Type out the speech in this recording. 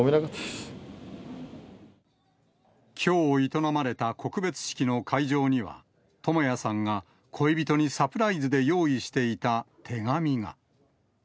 きょう、営まれた告別式の会場には、智也さんが恋人にサプライズで用意していた手紙が。